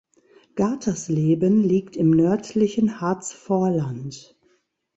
Gatersleben liegt im nördlichen Harzvorland.